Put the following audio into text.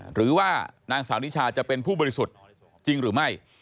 หรือว่านางสาวนิชาจะเป็นผู้บริสุทธิ์จริงหรือไม่